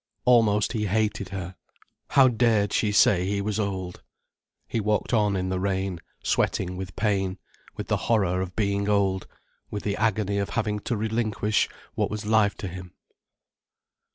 Almost he hated her. How dared she say he was old. He walked on in the rain, sweating with pain, with the horror of being old, with the agony of having to relinquish what was life to him.